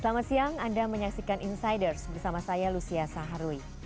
selamat siang anda menyaksikan insiders bersama saya lucia saharwi